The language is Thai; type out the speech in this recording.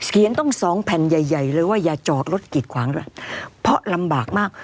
เขียนต้องสองแผ่นใหญ่เลยว่าอย่าจอดรถกิดขวางฮะเพราะลำบากมาก